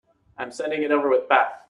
I'm sending it over with Beth.